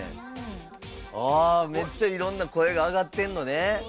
めっちゃいろんな声が上がってんのね。